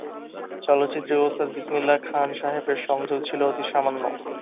চলচ্চিত্রে ওস্তাদ বিসমিল্লাহ খান সাহেবের সংযোগ ছিল অতি সামান্য।